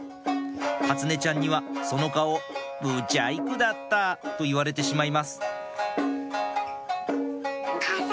初音ちゃんには「その顔ぶちゃいくだった」と言われてしまいます